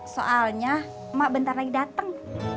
soalnya emak bentar lagi datang